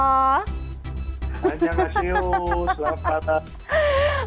anjang asio selamat malam